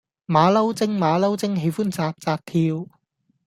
馬騮精馬騮精喜歡紮紮跳